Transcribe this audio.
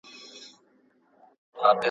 د مطالعې مینه باید په ښوونځیو کي پیدا سي.